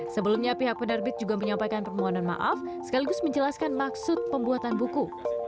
sebelumnya pihak penerbit juga menyampaikan permohonan maaf sekaligus menjelaskan maksud pembuatan buku